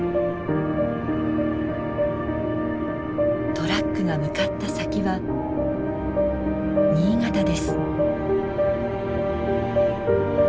トラックが向かった先は新潟です。